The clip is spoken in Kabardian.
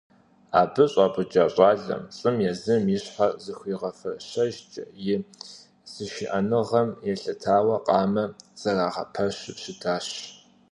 Абы щӀапӀыкӀа щӀалэм, лӀым, езым и щхьэ зэрыхуигъэфэщэжкӀэ, и зышыӀэныгъэм елъытауэ къамэ зэрагъэпэщу щытащ.